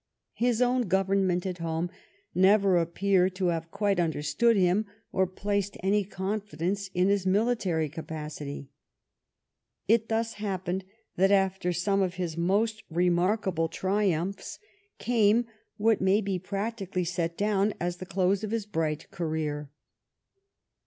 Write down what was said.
His own government at home never appear to have quite understood him or placed any confidence in his mili tary capacity. It thus happened that after some of his most remarkable triumphs came what may be practi cally set down as the close of his bright career.